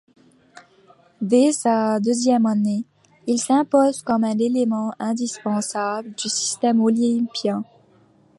Dès sa deuxième année, il s'impose comme un élément indispensable du système olympien.